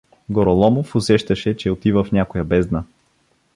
Гороломов усещаше, че отива в някоя бездна.